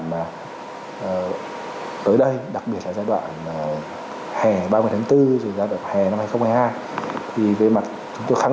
mà tới đây đặc biệt là giai đoạn hè ba mươi tháng bốn giai đoạn hè năm hai nghìn hai mươi hai thì về mặt chúng tôi khăn